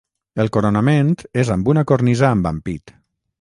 El coronament és amb una cornisa amb ampit.